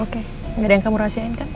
oke gak ada yang kamu rahasiain kan